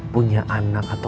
punya anak atau endah